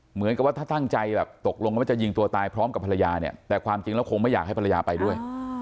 เหมือนกับว่าถ้าตั้งใจแบบตกลงกันว่าจะยิงตัวตายพร้อมกับภรรยาเนี่ยแต่ความจริงแล้วคงไม่อยากให้ภรรยาไปด้วย